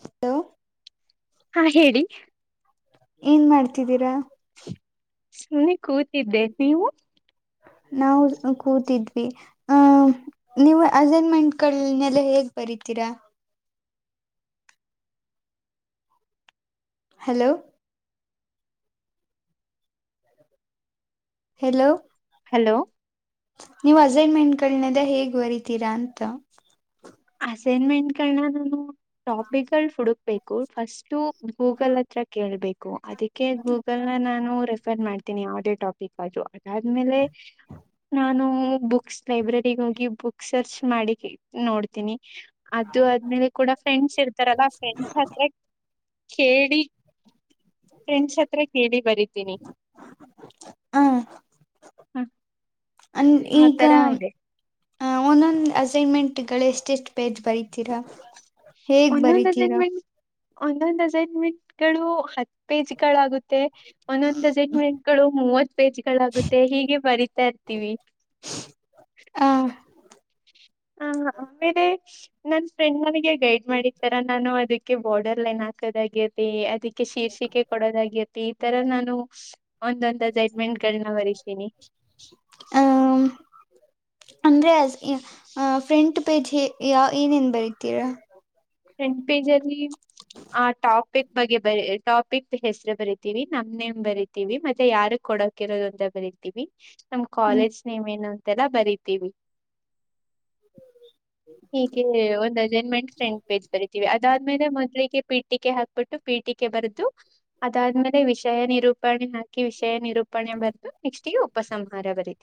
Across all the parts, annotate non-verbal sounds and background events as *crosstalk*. Hello ಹಾ ಹೇಳಿ ಏನ್ ಮಾಡ್ತಿದ್ದೀರಾ ಸುಮ್ನೆ ಕೂತಿದ್ದೆ ನೀವು ನಾವು ಕೂತಿದ್ವಿ ಆ ನೀವು ಅಸೈನ್ಮೆಂಟ್ ಕಗಳನೆಲ್ಲ ಹೇಗ್ ಬರೇ ರಿತೀರಾ ಹಲೋ ಹಲೋ ಹಲೋ ನೀವ್ ಅಸೈನ್ಮೆಂಟ್ಗಳನದ ಹೇಗ್ ಬರಿತೀರಾ ಅಂತ ಅಸೈನ್ಮೆಂಟ್ಗಳನ್ನ ನಾನು ಟಾಪಿಕ್ಗಳು ಹುಡುಕ್ಬೇಕು ಫಸ್ಟು ಗೂಗಲ್ ಹತ್ರ ಕೇಳ್ಬೇಕು ಅದಕ್ಕೆ ಗೂಗಲ್ ನ ನಾನು ರೆಫ ರಿಫರ್ ಮಾಡ್ತೀನಿ ಯಾವುದೇ ಟಾಪಿಕ್ ಅದುೂ ಅದುಮೇಲೆ ನಾನು ಬುಕ್ಸ್ ಲೈಬ್ರರಿಗ್ ಹೋಗಿ ಬುಕ್ ಸರ್ಚ್ ಮಾಡಿ *unintelligible* ನೋಡ್ತಿ ತ್ರೀನೆ ಅದು ಅದೂಮೇಲೆ ಕೂಡ ಫ್ರೆಂಡ್ಸ್ ಇರ್ತಾರಲ್ಲ ಫ್ರಂಡ್ಸ್ ಕೇಳಿ ಫ್ರೆಂಡ್ ಹತ್ರ ಕೇಳಿ ಬರತೀನಿ ಹ್ಮ್ ಹ್ಮ ಹ್ ಈಗ ಒಂದೊಂದು್ ಅಸೈನ್ಮೆಂಟ್ ಗಳು ಎಷ್ಟೆಷ್ಟು ಪೇಜ್ ಬರಿತೀರಾ ಹೇಗ್ ಬರಿತೀರಾ ಒಂದೊಂದು್ ಅಸೈನ್ಮೆಂಟ್ ಗಳು ಹತ್ ಪೇಜ್ ಗಳಾಗುತ್ತೆ ಒಂದು ಒಂದು ಅಸಿಗೆಮೆಂಟ್ಗಳು ಮೂವತ್ತು ಪೇಜ್ಗಳಾಗುತ್ತೆ ಹೀಗೆ ಬರಿತಾ ಇರ್ತೀವಿ ಆ ಹ ಆಮೇಲೆ ನಾನ್ ಫ್ರೆಂಡ್ ನನಿಗೆ ಗೈಡ್ ಮಾಡಾರ ನಾನು ಅದಕ್ಕೆ ಬಾರ್ಡರ್ ಲೈನ್ ಹಾಕೋದಾಗ್ಯ ಅದ *unintelligible* ಶೀರ್ಷಿಕೆ ಕೊಡೋದಾಗಿತಿ ಈ ತರ ನಾನು ಒಂದೊಂದ ಅಸಿಗೆಮೆಂಟ್ಗಳುನಾ ಬರತೀನಿ ಅಂದ್ರೆ ಫ್ರಂಟ್ ಪೇಜ್ ಯ ಏನೇನ್ ಬರಿೀತೀರಾ ಫ್ರೆಂಡ್ ಪೇಜ್ ಅಲ್ಲಿ ಆ ಟಾಪಿಕ್ ಬಗ್ಗೆ ಬರಿ ಟಾಪಿಕ್ ಹೆಸರು ಬರಿತೀವಿ ನಮ್ ನೇಮ್ ಬರಿತೀವಿ ಮತ್ತೆ ಯಾರೊ ಕೊಡಕಿರೋದು ಅಂತ ಬರೀತೀವಿ ನಮ್ ಹ್ಮ್ ಕಾಲೇಜ್ ನೇಮ್ ಏನು ಅಂತೆಲ್ಲ ಬರಿತೀವಿ ಹೀಗೆ ಒಂದ್ ಅಸಿಗೆಮೆಂಟ್ ಸೆಂಡ್ ಪೇಜ ಬತಿೀವಿ ಅದಾದ್ ಮೇಲೆ ಮಜಳಲಿಿಗೆ ಪಿಠ ಪಕೆ ಹಾಕ್ಬಿಟ್ಟು ಪಿಟಿಕೆ ಬರೆದು ಅದಾದ್ಮೇಲೆ ವಿಷಯ ನಿರೂಪಣೆ ಹಾ ವಿಷಯ ನಿರೂಪಣೆ ಬರ್ತು ನೆಕ್ಸ್ಟ್ ಗೂ ಉಪಸಂಹಾರ ಬರೀತು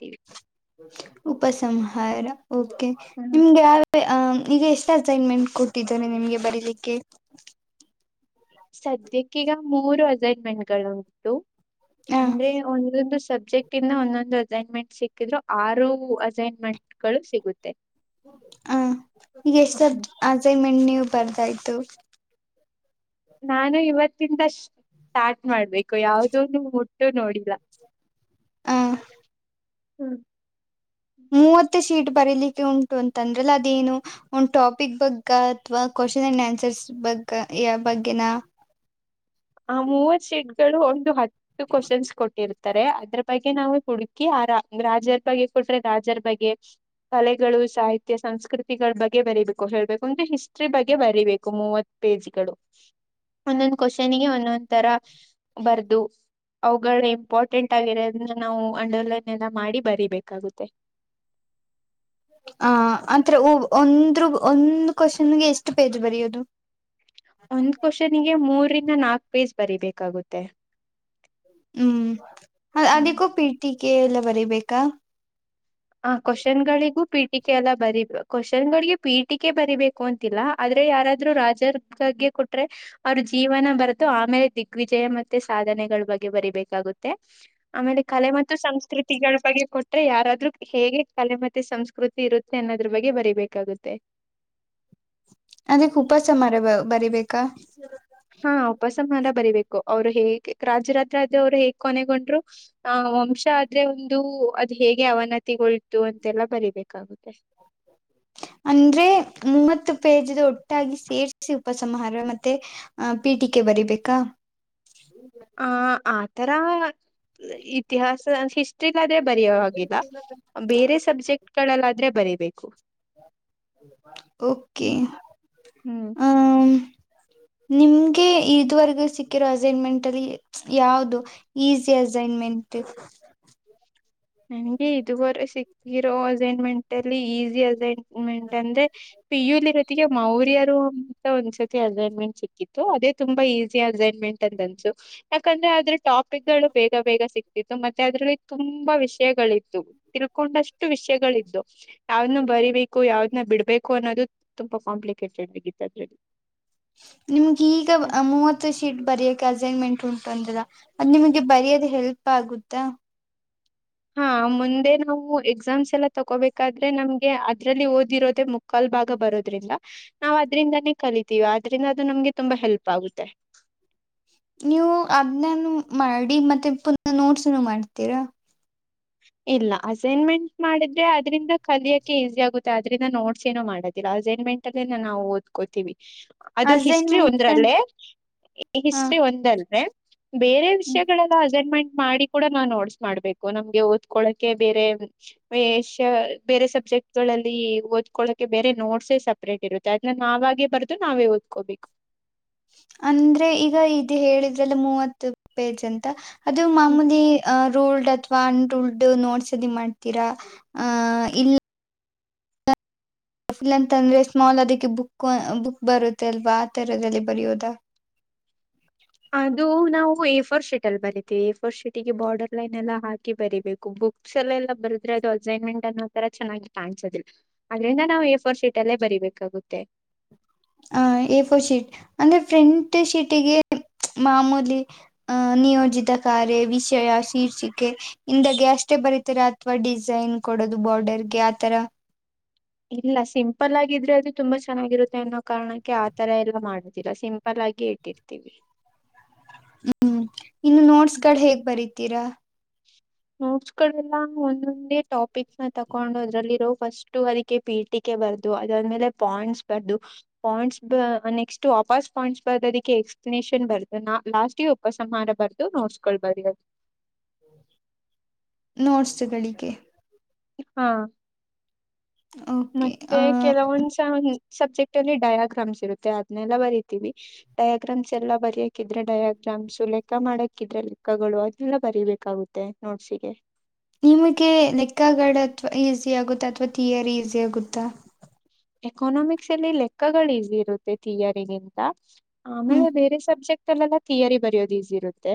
ಉಪಸಂಹಾರ ಓಕೆ ಹ್ಮ್ ನಿಮ್ಗೆ ಯ *unintelligible* ಈಗ ಎಷ್ಟ ಅಸೈನ್ಮೆಂಟ್ ಕೊಟ್ಟಿದ್ದನೆೆ ನಿಮ್ಗೆ ಬರೀಲಿಕ್ಕೆ ಸದ್ಯಕ್ಕೆ ಈಗ ಮೂರು ಅಸಿಗೆಮೆಂಟ್ಗಳು ಉಂಟು ಹ ಅಂದ್ರೆ ಒಂದೊಂದು ಸಬ್ಜೆಕ್ಟ್ ಇಂದ ಒಂದೊಂದು ಅಸೈನ್ಮೆಂಟ್ ಸಿಕ್ಕಿದ್ರು ಆರು ಅಸೈನ್ಮೆಂಟ್ಗಳು ಸಿಗುತ್ತೆ ಹ ಈಗ ಎಷ್ಟಾ ಹ್ಮ್ ಸಬ್ಜೆಕ್ಟ್ ಅಸೈನ್ಮೆಂಟ್ ನೀವು ಬರ್ದಾಯ್ತು ನಾನು ಇವತ್ತಿಂದ ಸ್ಟಾರ್ಟ್ ಮಾಡ್ಬೇಕು ಯಾವ್ದಂದು *unintelligible* ನೋಡಿಲ್ಲ ಹ ಹ್ಮ್ ಮೂತ್ತ ಶೀಟ್ ಬರಲಿಕ್ಕೆ ಉಂಟು ಅಂತ ಅಂದ್ರಅಲ್ಲ ಅದೇನು ಒನ್ ಟಾಪಿಕ್ ಬಗ್ ಅಥವಾ ಕೋಶನ್ *unintelligible* ಬಗ್ ಯ ಬಗ್ಗೆನಾ ಆ ಮೂವತ್ತು ಶೇಟ್ಗಳು ಒಂದು ಹತ್ತು ಕೋಶನ್ಸ್ ಕೊಟ್ಟಿರುತ್ತೆ ತಾರೆ ಅದ್ರ ಬಗ್ಗೆ ನಾವು ಹುಡುಕಿ ಆ ರಾಜರ ಬಗ್ಗೆ ಕೊಟ್ರೆ ರಾಜರ ಬಗ್ಗೆ ಕಲೆಗಳು ಸಾಹಿತ್ಯ ಸಂಸ್ಕೃತಿಗಳ ಬಗ್ಗೆ ಬರಿಬೇಕು ಹೇಳ್ಬೇಕು ಅಂದ್ರೆ ಹಿಸ್ಟ್ರಿ ಬಗ್ಗೆ ಬರಿಬೇಕು ಮೂವತ್ತು ಪೇಜ್ಗಳು ಒಂದೊಂದ್ ಕೋಶನ್ ಗೆ ಒಂದೊಂದ್ ತರ ಬರ್ದು ಅವುಗಳ ಇಂಪಾರ್ಟೆಂಟ್ ಆಗಿರೋದ್ರಿಂದ ನಾವು ಅಂಡರ್ ಲೈನ್ ಎಲ್ಲಾ ಮಾಡಿ ಬರಿಬೇಕಾಗುತ್ತೆ *unintelligible* ಆ ಅಂತರ್ ಒಂದ್ರ್ ಒಂದು ಕೋಶನ್ ಗೆ ಎಷ್ಟು ಪೇಜ್ ಬರೆಯೋದು *unintelligible* ಒಂದು ಕೋಶನ್ ಗೆ ಮೂರಿಂದ ನಾಕ್ ಪೇಜ್ ಬರಿಬೇಕಾಗುತ್ತೆ ಹೂಂ ಹ್ಮ್ ಅದಕ್ಕೂ ಪೀಟಿಕೆ ಎಲ್ಲಾ ಬರಿಬೇಕಾ ಆ ಕೋಶನ್ಗಳಿಗೂ ಪೀಟಿಕೆ ಎಲ್ಲ ಬರಿಬೇ ಕೋಶನ್ ಗಳಿಗೆ ಪೀಟಿಕೆ ಬರಿಬೇಕು ಅಂತಿಲ್ಲ ಅದ್ರ ಯಾರಾದ್ರೂ ರಾಜರ ಬಗ್ಗೆ ಕೊಟ್ರೆ ಅವ್ರ ಜೀವನ ಬರ್ದು ಆಮೇಲೆ ದಿಗ್ವಿಜಯ ಮತ್ತೆ ಸಾಧನ್ ನೆಗಳ ಬಗ್ಗೆ ಬರಿಬೇಕಾಗುತ್ತೆ ಆಮೇಲೆ ಕಲೆ ಮತ್ತು ಸಂಸ್ಕೃತಿಗಳ ಬಗ್ಗೆ ಕೊಟ್ರೆ ಯಾರದ್ರು ಹೇಗೆ ಕಲೆ ಮತ್ತೆ ಸಂಸ್ಕೃತಿ ಇರುತ್ತೆ ಅನ್ನೋದ್ರ ಬಗ್ಗೆ ಬರಿಬೇಕಾಗುತ್ತೆ ಅದಕ್ಕ ಉಪಸಂಹಾರ ಬಾ ಬರಿಬೇಕು ಹಾ ಉಪಸಂ ಸಂಹಾರ ಬರಿಬೇಕು ಅವ್ರು ಹೇಗೆ ರಾಜರಾತ್ ಆದ್ರೆ ಅವ್ರು ಹೇಗ್ ಕೊನೆಗೊಂಡ್ರು ಆ ವಂಶ ಆದ್ರೆ ಒಂದು ಅದು ಹೇಗೆ ಅವನತಿಗೊಳ್ತು ಅಂತೆಲ್ಲಾ ಬರಿಬೇಕಾಗುತ್ತೆ *unintelligible* ಅಂದ್ರೆ ಮೂವತ್ತು ಪೇಜ್ದು ಒಟ್ಟಾಗಿ ಸೇರಿಸಿ ಉಪಸಂಹಾರ ಮತ್ತೆ ಪೀಟಿಕೆ ಬರಿಬೇಕಾ ಆ ಆತರ ಇತಿಹಾಸ ಹಿಸ್ಟ್ರಿ ಅದ್ರೆ ಬರಿಯೋ ಹಾಗಿಲ್ಲ ಬೇರೆ ಸಬ್ಜೆಕ್ಟ್ ಗಳಲ್ಲಾದ್ರೆ ಬರಿಬೇಕು ಓಕೆ ಹ್ಮ್ ಹ್ಮ್ ನಿಮ್ಗೆ ಇದುವರೆಗೂ ಸಿಕ್ಕಿರೋ ಅಸೈನ್ ಮೆಂಟ್ ಅಲ್ಲಿ ಯಾವುದು ಈಜಿ ಅಸೈನ್ ಮೆಂಟ್ ತ್ತೆ *unintelligible* ನಂಗೆ ಇದುವರೆ ಸಿಕ್ಕಿರೋ ಅಸೈನ್ ಮೆಂಟ್ ಅಲ್ಲಿ ಈಸಿ ಅಸೈನ್ ಮೆಂಟ್ ಅಂದ್ರೆ ಪಿಯು ಲಿ ಜೊತಿಗೆ ಮೌರ್ಯರು ಅಂತ ಒಂದ್ಸತಿ ಅಸೈನ್ಮೆಂಟ್ ಸಿಕ್ಕಿತ್ತು ಅದೇ ತುಂಬಾ ಈಸಿ ಅಸೈನ್ಮೆಂಟ್ ಅಂತಂದ್ರ್ ಟ್ಸ್ ಯಾಕಂದ್ರೆ ಅದ್ರ ಟಾಪಿಕ್ ಗಳು ಬೇಗ ಬೇಗ ಸಿಕ್ತಿತ್ತು ಮತ್ತೆ ಅದ್ರಲ್ಲಿ ತುಂಬಾ ವಿಷ ಯಗಳಿತ್ತು ತಿಳ್ಕೊಂಡಷ್ಟು ವಿಷಯಗಳಿದ್ದು ಯಾವ್ನ ಬರಿಬೇಕು ಯಾವದನ್ ಬಿಡ್ಬೇಕು ಅನ್ನೋದು ತುಂಬಾ ಕಾಂಪ್ಲಿಕೇಟೆಡ್ ನೀವು ಇದ್ದಾಗಲ್ಲೆ ನಿಮ್ಗ ಈಗ ಮೂವತ್ತು ಶೀಟ್ ಬರಕ್ ಅಸೈನ್ಮೆಂಟ್ ಉಂಟು ಅಂದಿಲ್ಲ ನಿಮಗೆ ಬರಿಯೋದು ಹೆಲ್ಪ್ ಆಗುತ್ತಾ ಹಾ ಮುಂದೆ ನಾವು ಎಕ್ಸಾಮ್ಸ್ ಎಲ್ಲಾ ತಗೋಬೇಕಾದ್ರೆ ನಮಗೆ ಅದ್ರಲ್ಲಿ ಓದಿರೋದೆ ಮುಕ್ಕಾಲ್ ಭಾಗ ಬರೋದ್ರಿಂದ ನಾವು ಅದ್ರಿಂದಾನೇ ಕಲಿತೀವಿ ಆದ್ರಿಂದ ಅದು ನಮ್ಗೆ ತುಂಬಾ ಹೆಲ್ಪ್ ಆಗುತ್ತೆ. ಹ *unintelligible* ನೀವು ಅದನ್ನನ್ನು ಮಾಡಿ ಮತ್ತೆ ಪುನಃ ನೋಟ್ಸನು ಮಾಡ್ತೀರಾ. ಇಲ್ಲ ಅಸೈನ್ಮೆಂಟ್ ಮಾಡಿದ್ರೆ ಅದ್ರಿಂದ ಕಲಿಯಕ್ಕೆೆ ಈಸಿ ಆಗುತ್ತೆ ಅದ್ರಿಂದ ನೋಟ್ಸ್ ಏನೋ ಮಾಡಲ್ ಅಸೈನ್ ಮೆಂಟ್ ಅಲ್ಲಿ ನಾವು ಓದ್ಕೋತೀವಿ ಅದು ಹಿಸ್ಟ್ರಿ ಅಸೈನ್ಮೆಂಟ್ ಒಂದ್ರಲ್ಲೇ ಹ ಹಿಸ್ಟ್ರಿ ಒಂದ್ರಲ್ಲೇ ಬೇರೆ ವಿಷಯಗಳೆಲ್ಲ ಅಸೈನ್ಮೆಂಟ್ ಮಾಡಿ ಕೂಡ ನಾವು ನೋಟ್ಸ್ ಮಾಡ್ಬೇಕು ನಮ್ ಓದ್ಕೊಳ್ಳಕ್ಕೆ ಬೇರೆ ವಿಷಯ ಬೇರೆ ಸಬ್ಜೆಕ್ಟ್ಗಳಲ್ಲಿ ಓದ್ಕೊಳ್ಳಕ್ಕೆ ಬೇರೆ ನೋಟ್ಸೇ ಸಪ್ರೇಟ್ ಇರುತ್ತೆ ಅದನ್ನ ನಾವಾಗೇ ಬರ್ದು ನಾವೇ ಓದ್ಕೋಬೇಕು ಅಂದ್ರೆ ಈಗ ಇದು ಹೇಳಿದ್ರಲ್ಲ ಮೂವತ್ತು ಪೇಜ್ ಅಂತ ಅದು ಮಾಮೂಲಿ ಆ ರೂಲ್ಡ್ ಅಥವಾ ಅನ್ ರೂಲ್ಡ್ ನೋಟ್ಸ್ ಅದು ಮಾಡ್ತೀರಾ ಅಹ ಇಲ್ಲ್ ಪುಲ್ ಅಂತ ಅಂದ್ರೆ ಸ್ಮಾಲ್ ಅದಕ್ಕೆ ಬುಕ್ ಬುಕ್ ಬರುತ್ತೆ ಅಲ್ವಾ ಆತರದಲ್ಲಿ ಬರೆಯೋದಾ *unintelligible* ಅದು ನಾವು ಎ ಫೋರ್ ಶೀಟ್ ಅಲ್ಲಿ ಬರಿತೀವಿ ಎ ಪೋರ್ ಶೀಟ್ ಗೆ ಬಾರ್ಡರ್ ಲೈನ್ ಎಲ್ಲಾ ಹಾಕಿ ಬರಿಬೇಕು ಬುಕ್ಸ್ ಎಲ್ಲೆಲ್ಲಾ ಬರೆದ್ರೆ ಅದು ಅಸೈನ್ಮೆಂಟ್ ಅನ್ನೋ ತರ ಚೆನ್ನಾಗಿ ಕಾಣಸೋದಿಲ್ಲ ಅದ್ರಿಂದ ನಾವು ಎ ಫೋರ್ ಶೀಟ್ ಅಲ್ಲೇ ಬರಿಬೇಕಾಗುತ್ತೆ. ಹ ಎಫೋರ್ ಶೀಟ್ ಅಂದ್ರೆ ಫ್ರೆಂಟ್ ಶೀಟಿಗೆ ಮಾಮೂಲಿ ಹ ನಿಯೋಜಿತ ಕಾರ್ಯ ವಿಷಯ ಶೀರ್ಷಿಕೆ ಇಂದಾಗ ಅಷ್ಟೇ ಬರಿತ್ತೀರ ಅಥವಾ ಡಿಸೈನ್ ಕೊಡೋದು ಬಾರ್ಡರ್ ಗೆ ಆತರ ಇಲ್ಲ ಸಿಂಪಲ್ ಆಗಿದ್ರೆ ಅದು ತುಂಬಾ ಚೆನ್ನಾಗಿರುತ್ತೆ ಅನ್ನೋ ಕಾರಣಕ್ಕೆ ಆತರ ಎಲ್ಲಾ ಮಾಡೋದಿಲ್ಲ. ಸಿಂಪಲ್ ಆಗ ಹಾಗೆ ಇಟ್ಟಿರ್ತೀವಿ. *inaudible* ತಿರಾ, ನೋಟ್ಸ್ ಗಳೆಲ್ಲ ಒಂದೊಂದೇ ಟಾಪಿಕ್ ನ ತಕೊಂಡು ಅದ್ರಲ್ಲಿರೋ ಫಸ್ಟ್ ಅದಕ್ಕೆ ಪೀಟಿಕೆ, ಅದಾದ್ಮೇಲೆ ಪಾಯಿಂಟ್ಸ್ ಬರ್ದು. ಪಾಯಿಂಟ್ಸ್ ನೆಕ್ಸ್ಟ್ ವಾಪಸ್ ಪಾಯಿಂಟ್ಸ್ ಬರ್ ಅದಕ್ಕೆ ನೇಷನ್ ಬರ್ದು ಲಾಸ್ಟ್ ಉಪಸಂಹಾರ ಬರ್ದು ನೋಡ್ಸ್ಕೊಳ್ ಬರಿಯದು. ಹ್ಮ. ನೋಟ್ಸ್ಗಳಿಗೆ. ಹಾ ಓಕೆ ಮತ್ತೆ ಆ ಕೆಲವೊಂದಸ ಸಬ್ಜೆಕ್ಟ್ ಅಲ್ಲಿ ಡಯಾಗ್ರಾಮ್ಸ್ ಇರುತ್ತೆ ಅದ್ನೆಲ್ಲ ಬರಿತೀವಿ. ಡಯಾಗ್ರಾಮ್ಸ್ ಎಲ್ಲ ಬರಿಯಾಕಿದ್ರೆ ಡಯಾ ಶಾಮ್ಸು ಲೆಕ್ಕ ಮಾಡಕ್ಕಿದ್ರೆ ಲೆಕ್ಕಗಳು ಅದೆಲ್ಲ ಬರಿಬೇಕಾಗುತ್ತೆ ನೋಟ್ಸ್ಗೆ. ನಿಮಗೆ ಲೆಕ್ಕಾಗಾಡ ಅಥವಾ ಈಸಿ ಆಗುತ್ತಾ, ಅಥವಾ ಥಿಯರಿ ಈಸಿ ಆಗುತ್ತಾ. ಎಕನಾಮಿಕ್ಸ್ ಅಲ್ಲಿ ಲೆಕ್ಕಗಳು ಈಸಿ ಇರುತ್ತೆ. ಥಿಯರಿಗಿಂತ, ಹ್ಮ್ ಆಮೇಲೆ ಬೇರೆ ಸಬ್ಜೆಕ್ಟ್ ಅಲ್ಲೆಲ್ಲ ಥಿಯರಿ ಬರಯೋದು ಈಸಿ ಇರುತ್ತೆ.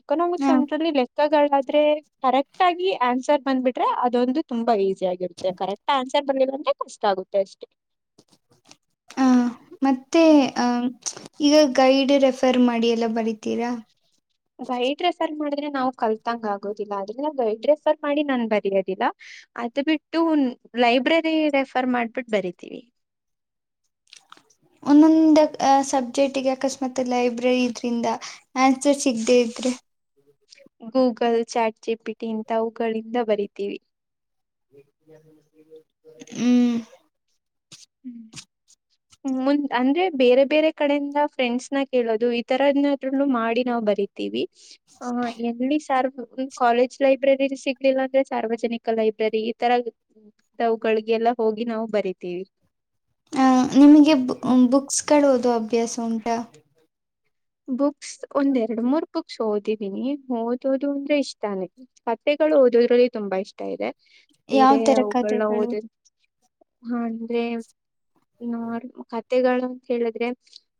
ಎಕನಾಮಿಕ್ಸ್ ಹಾ ಅಂದ್ರಲ್ಲಿ, ಲೆಕ್ಕಗಳಾದ್ರೆ ಕರೆಕ್ಟ್ ಆಗಿ ಆನ್ಸರ್ ಬಂದ್ಬಿಟ್ರೆ ಅದೊಂದು ತುಂಬಾ ಈ ಸಿ ಆಗಿರುತ್ತೆ ಕರೆಕ್ಟ್ ಆನ್ಸರ್ ಬರ್ರಂದ್ರ ಕಷ್ಟ ಆಗುತ್ತೆ ಅಷ್ಟೇ. ಹ ಮತ್ತೆ ಆ, ಈಗ ಗೈಡ್ ರೆಫರ್ ಮಾಡಿ ಎಲ್ಲ ಬರಿತೀರಾ. ಗೈಡ ರೆಫರ್ ಮಾಡ ದ್ರೆ ನಾವು ಕಲ್ತಾಂಗ ಆಗೋದಿಲ್ಲ. ಆದ್ರೆ ನಾವು ಗೈಡ್ ರೆಫರ್ ಮಾಡಿ ನಾನ್ ಬರೆಯೋದಿಲ್ಲ. ಅದು ಬಿಟ್ಟು, ಲೈಬ್ರರಿ ರೆಫರ್ ಮಾಡ್ಬಿಟ್ಟು ಬರಿತೀವಿ. *inaudible* ಒಂದೊಂದ ಸಬ್ಜೆಕ್ಟ್ಗೆ ಅಕಸ್ಮಾತ್ ಲೈಬ್ರರಿ ಇದ್ರಿಂದ ಆನ್ಸರ್ ಸಿಗದೆೇ ದ್ರೆ, ಗೂಗಲ್ ಚಾಟ್ ಚಾರ್ಟ್ ಜಿಪಿಟಿ ಇಥವುಗಳಿಂದ ಬರಿತೀವಿ. ಹ್ಮ್. *inaudible* ಹ್ಮ ಮುಂದ್ ಅಂದ್ರೆ ಬೇರೆ ಬೇರೆ ಕಡೆಯಿಂದ ಫ್ರೆಂಡ್ಸ್ನ ಕೇಳೋದು ಈತರನಾದ್ರಲ್ಲೂ ಮಾಡಿ ನಾವ್ ಬರಿತೀವಿ. ಹ ಎಲ್ಲಿ ಸಾರ್ ಕಾಲೇಜ್ ಲೈಬ್ರರಿ ಸಿಗ್ಲಿಲ್ಲ ಅಂದ್ರೆ, ಸಾರ್ವಜನಿಕ ಲೈಬ್ರರಿ ಈ ತರ, ಅವುಗಳಿಗೆ ಎಲ್ಲ ಹೋಗಿ ನಾವು ಬರಿತೀವಿ. ಹ ನಿಮಗೆ ಹ್ಮ್ ಬುಕ್ಸ್ಗಳು ಓದೋ ಅಭ್ಯಾಸ ಉಂಟಾ, ಬುಕ್ಸ್ ಒಂದ್ ಎರಡ್ ಮೂರ್ ಬುಕ್ಸ್ ಓದಿದಿನಿ ಓದೋದು ಅಂದ್ರೆ ಇಷ್ಟನ ಮತ್ತೆ ಗಳು ಓದೋದ್ರಲ್ಲಿ ತುಂಬಾ ಇಷ್ಟ ಇದೆ. ಯಾವ ಬೇರೆ ತರ ಅವುಗಳನ್ನ ಕಥೆಗಳು ಓದ ಹಾ ಅಂದ್ರೆ ನ ಕಥೆಗಳನಾ ಕೇಳಿದ್ರೇ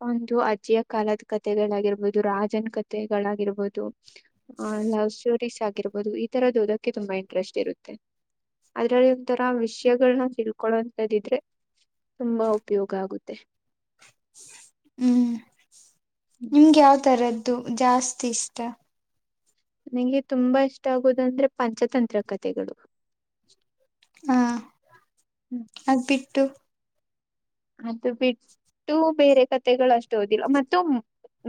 ಒಂದು ಅಜ್ಜಿಯ ಕಾಲದ, ಕತೆೆಗಳಾಗಿರ್ಬಹುದು, ರಾಜನ್ ಕತೆೆಗಳಾಗಿರ್ಬಹುದು, ಲವ್ ಸ್ಟೋರಿ, ಕ್ಟ ಆಗಿರಬಹುದು ಈ ತರದ ಓದಕ್ಕೆ ತುಂಬಾ ಇಂಟ್ರೆಸ್ಟ್ ಇರುತ್ತೆ. ಅದ್ರಲ್ಲಿ ಒಂಥರ ವಿಷ್ಯಗಳನ್ನ ತಿಳ್ಕೊಳೋಂತದ್ದಿದ್ರೆ, ತುಂಬಾ ಉಪಯೋಗ ಆಗುತ್ತೆ. *inaudible* ಹ್ಮ್ ನಿಮ್ಗೆ ಯಾವ ತರದ್ದು ಜಾಸ್ತಿ ಇಷ್ಟ. ನನಗೆ ತುಂಬಾ ಇಷ್ಟ ಆಗೋದಂದ್ರೆ ಪಂಚತಂತ್ರ ಕಥೆಗಳು. ಹಾ ಹ್ಮ್ ಅದ್ಬಿಟ್ಟು. ಅದು ಬಿಟ್ಟು ಬೇರೆ ಕತೆಗಳು ಅಷ್ಟು ಓದಿಲ್ಲ. ಮತ್ತು,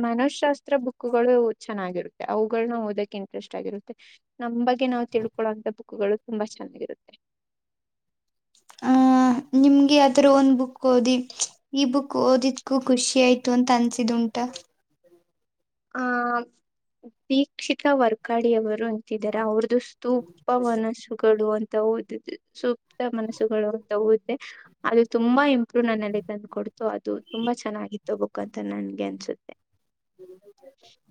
ಮನೋಶಶಾಸ್ತ್ರ ಬುಕ್ಗಳು ಚೆನ್ನಾಗಿರುತ್ತೆ. ಅವುಗಳನ್ನ ಓದಕ್ಕೆ ಇಂಟ್ರೆಸ್ಟ್ ಆಗಿರುತ್ತೆ. ನಮ್ಮ, ನಾವು ತಿಳ್ಕೊಳ್ಳುವಂತ ಬುಕ್ಗಳು ತುಂಬಾ ಚೆನ್ನಾಗಿರುತ್ತೆ. ಹಾ, ನಿಮ್ಗೆ ಅದ್ರ ಬುಕ್ ಓದಿ ಈ ಬುಕ್ ಓದಿದ್ಕೂ ಖುಷಿ ಆಯ್ತು ಅಂತ ಅನ್ಸಿದ್ ಉಂಟ. ಊಟ *unintelligible* ಆ ಟೀಕ್ಷಿತ ವರ್ಕಾಡಿಯವರು ತಿದ್ದಾರೆ ಅವ್ರದದುು ಸ್ತುಪ ಮನಸ್ಸುಗಳು ಅಂತ ಓದ *unintelligible* ಸೂಕ್ತ ಮನಸ್ಸುಗಳು ತಗೋಳತೇ ಅದು ತುಂಬಾ ಇಮ್ *unintelligible* ರು ನನ್ನಲ್ಲಿ ತಂದು ಕೊಡ್ತು ಅದು ತುಂಬಾ ಚೆನ್ನಾಗಿತ್ತು ಬುಕ್ ಅಂತ ನನ್ಗೆ ಅನ್ಸುತ್ತೆ.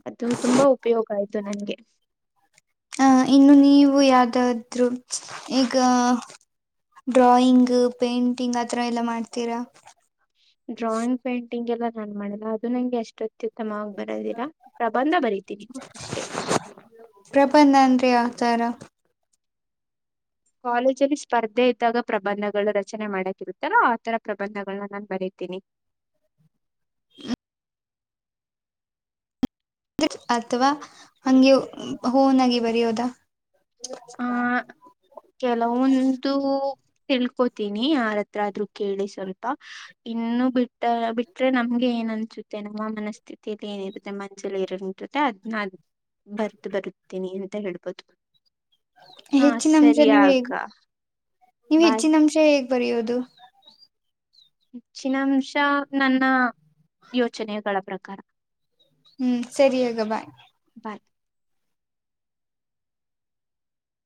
ಅದು ತುಂಬಾ ಉಪಯೋಗ ಆಯ್ತು ನನ್ಗೆ ಅಹ ಇನ್ನು ನೀವು ಯಾವ್ದಾದ್ರು ಈಗ ಡ್ರಾಯಿಂಗ್ ಪೇಂಟಿಂಗ್ ಆತರ ಎಲ್ಲ ಮಾಡ್ತೀರಾ. ಡ್ರಾಯಿಂಗ್ ಪೇಂಟಿಂಗ್ ಎಲ್ಲ ನಾನ್ ಮಾಡಿಲ್ಲ ಅದು ನಂಗೆ ಎಷ್ಟೊ ಅತ್ಯುತ್ತಮವಾಗಿ ಬರದಿಲ್ಲ ಪ್ರಬಂಧ ಬರೀತೀನಿ ಅಷ್ಟೆ ತರ *unintelligible* ಕಾಲೇಜಲ್ಲಿ ಸ್ಪರ್ಧೆ ಇದ್ದಾಗ ಪ್ರಬಂಧಗಳು ರಚನೆ ಮಾಡಕಿರುತ್ತಲ್ಲ ಆತರ ಪ್ರಬಂಧಗಳನ್ನ ನಾನ್ ಬರೀ ತಿನಿ *inaudible* *inaudible* ತ್ರಿಚ್ ಅಥವಾ ಹಂಗೆ ಹೂನಗೆ ಬರಯೋದಾ ಆ ಕೆಲವೊಂದು ತಿಳ್ಕೋತೀನಿ ಯಾರತ್ರ ಆದ್ರು ಕೇಳಿ ಸ್ವಲ್ಪ ಇನ್ನು ಬಿಟ್ಟ ಬಿಟ್ರೆ ನಮ್ಗೆ ಏನ ಅನ್ಸುತ್ತೆ ನಮ್ಮ ಮನಸ್ಥಿತತಿಲ್ಲಿ ಏನಿರುತ್ತೆ ಮನ್ಜಲಿ ಇರೋನ ಜೋತೆ ಅದ್ನ ಅ ಬರ್ತ ಬದ್ಕತೀನಿ ಅಂತ ಹೇಳ್ಬೋದು. ಹಾ ಹೆಚ್ಚಿನ ಅಂಶ ಹೇಗ್ ಸರಿಯಾಕ್ಕಾ ನೀವು ಹೆಚ್ಚಿನ ಅಂಶ ಹೇಗ್ ಬರೆಯೋದು ಹೆಚ್ಚಿನ ಅಂಶ ನನ್ನ ಯೋಚನೆಗಳ ಪ್ರಕಾರ ಹ್ಮ್ ಸರಿಯಗ ಬಾಯ್ ಬಾಯ್